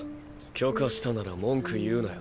許可したなら文句言うなよ。